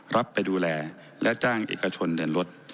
รับไปดูแลและจ้างเอกชนเดินรถ